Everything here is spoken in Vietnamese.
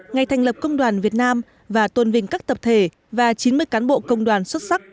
ngày thành lập công đoàn việt nam và tuân vinh các tập thể và chín mươi cán bộ công đoàn xuất sắc